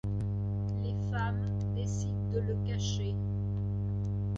Les femmes décident de le cacher.